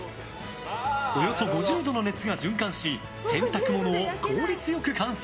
およそ５０度の熱が循環し洗濯物を効率よく乾燥。